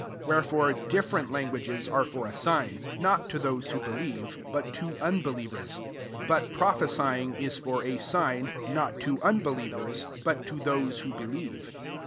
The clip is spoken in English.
22 Wherefore cfc/ f event languages are for a sign, not to tho^ who believe, but to unbelievers ; but prophesying is for a sign, not to unbelieverSi but to those who believe.